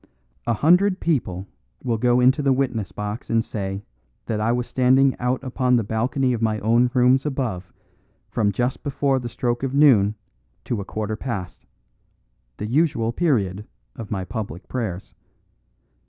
A hundred people will go into the witness box and say that I was standing out upon the balcony of my own rooms above from just before the stroke of noon to a quarter past the usual period of my public prayers.